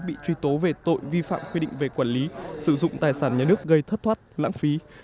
bị truy tố về tội vi phạm quy định về quản lý sử dụng tài sản nhà nước gây thất thoát lãng phí